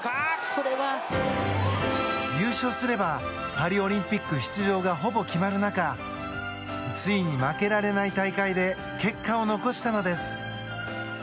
優勝すればパリオリンピック出場がほぼ決まる中ついに負けられない大会で結果を残したのです。